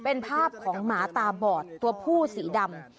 เป็นภาพของหมาตาบอดตัวผู้สีดำ